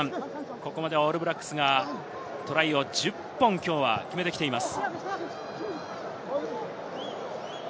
ここまではオールブラックスがトライを１０本決めてきています。